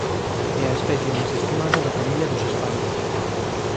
É a especie máis estimada da familia dos espáridos.